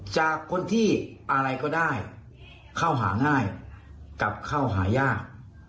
จากคนที่อะไรก็ได้เข้าหาง่ายกลับเข้าหายาก